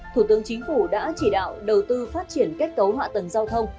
thủ tướng chính phủ đã chỉ đạo đầu tư phát triển kết cấu hạ tầng giao thông